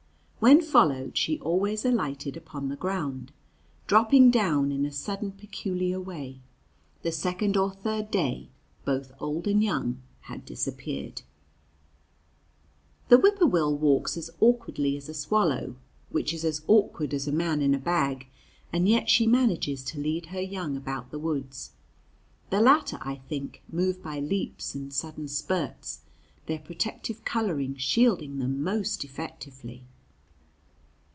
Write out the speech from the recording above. When followed she always alighted upon the ground, dropping down in a sudden, peculiar way. The second or third day both old and young had disappeared. The whip poor will walks as awkwardly as a swallow, which is as awkward as a man in a bag, and yet she manages to lead her young about the woods. The latter, I think, move by leaps and sudden spurts, their protective coloring shielding them most effectively.